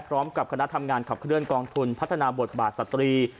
พร้อมกับคณะทำงานขับเคลื่อกองทุนพัฒนาบทบาทสตรี